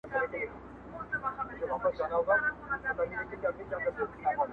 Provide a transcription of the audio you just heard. جانانه دغه شانې اور، په سړي خوله لگوي,